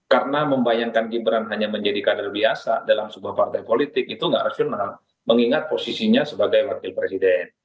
karena membayangkan gibran hanya menjadi kader biasa dalam sebuah partai politik itu nggak rasional mengingat posisinya sebagai wakil presiden